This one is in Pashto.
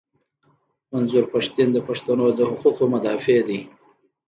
منظور پښتین د پښتنو د حقوقو مدافع دي.